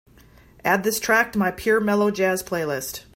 add this track to my Pure Mellow Jazz playlist